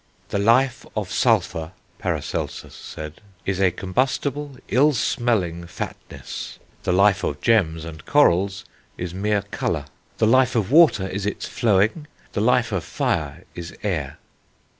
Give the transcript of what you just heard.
"The life of sulphur," Paracelsus said, "is a combustible, ill smelling, fatness.... The life of gems and corals is mere colour.... The life of water is its flowing.... The life of fire is air."